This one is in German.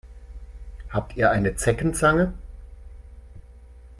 Habt ihr eine Zeckenzange?